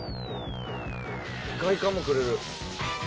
「外観もくれる」